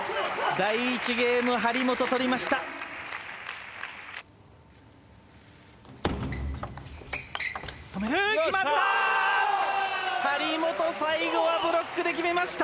第１ゲーム、張本取りました。